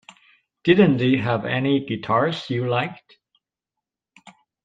Didn't they have any guitars you liked?